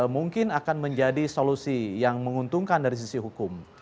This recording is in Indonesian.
mungkin akan menjadi solusi yang menguntungkan dari sisi hukum